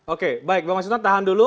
oke baik bang mas hinton tahan dulu